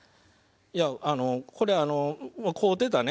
いやあのこれ飼うてたね